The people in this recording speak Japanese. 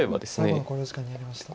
最後の考慮時間に入りました。